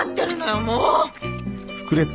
もう。